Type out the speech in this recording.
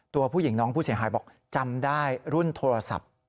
ตัวผู้หญิงน้องผู้เสียหายบอกจำได้รุ่นโทรศัพท์